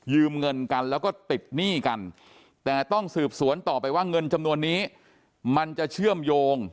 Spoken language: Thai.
เงินกันแล้วก็ติดหนี้กันแต่ต้องสืบสวนต่อไปว่าเงินจำนวนนี้มันจะเชื่อมโยง